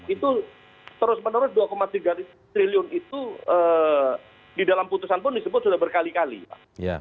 itu terus menerus dua tiga triliun itu di dalam putusan pun disebut sudah berkali kali pak